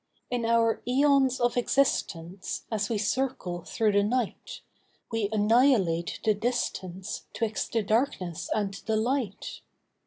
In our eons of existence, As we circle through the night, We annihilate the distance 'Twixt the darkness and the light.